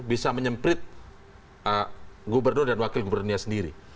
bisa menyemprit gubernur dan wakil gubernurnya sendiri